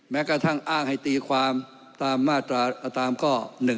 แม้กระทั่งอ้างให้ตีความตามมาตราตามข้อ๑๒